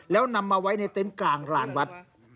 แล้วนำมาไว้ในเต็นต์กลางลานวัด